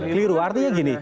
keliru artinya gini